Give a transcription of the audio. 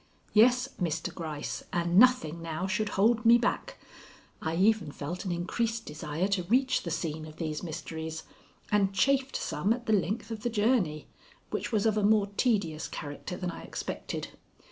Yes, Mr. Gryce, and nothing now should hold me back. I even felt an increased desire to reach the scene of these mysteries, and chafed some at the length of the journey, which was of a more tedious character than I expected.